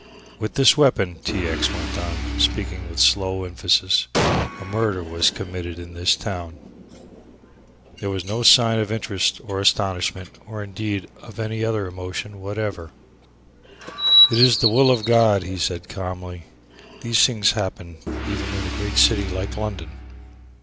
"With this weapon," T. X. went on, speaking with slow emphasis, "a murder was committed in this town." There was no sign of interest or astonishment, or indeed of any emotion whatever. "It is the will of God," he said calmly; "these things happen even in a great city like London."